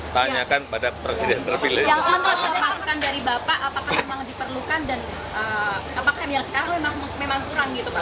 yang apa masukan dari bapak apakah memang diperlukan dan apakah yang sekarang memang kurang gitu pak